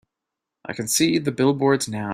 I can see the billboards now.